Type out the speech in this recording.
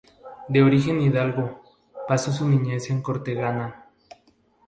De origen hidalgo, pasó su niñez en Cortegana.